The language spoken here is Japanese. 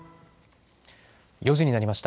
４時になりました。